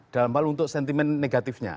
dalam hal untuk sentimen negatifnya